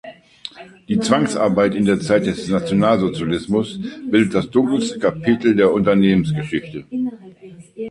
Die Zwangsarbeit in der Zeit des Nationalsozialismus bildet das dunkelste Kapitel der Unternehmensgeschichte.